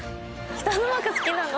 人のマーク好きなの？